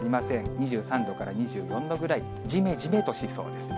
２３度から２４度ぐらい、じめじめとしそうです。